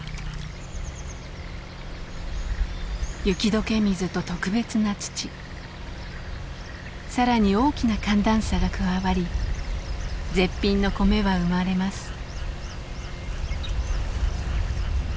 雪解け水と特別な土更に大きな寒暖差が加わり絶品の米は生まれます。